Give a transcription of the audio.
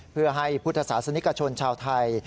เพื่อให้พุทธศาสนิกชนชาวไทย